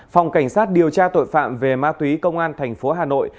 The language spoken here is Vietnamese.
phòng cảnh sát điều tra tội phạm về ma túy công an thành phố hà nội